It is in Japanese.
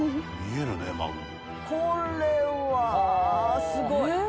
これはすごい。